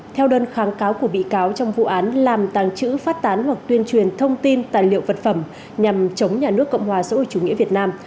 theo đơn kháng cáo của bị cáo trong vụ án làm tàng trữ phát tán hoặc tuyên truyền thông tin tài liệu vật phẩm nhằm chống nhà nước cộng hòa xã hội chủ nghĩa việt nam